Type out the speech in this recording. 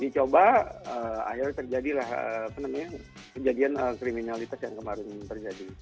dicoba akhirnya terjadilah kejadian kriminalitas yang kemarin terjadi